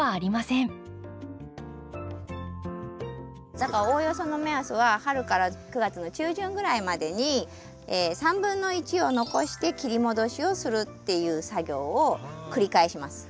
だからおおよその目安は春から９月の中旬ぐらいまでに３分の１を残して切り戻しをするっていう作業を繰り返します。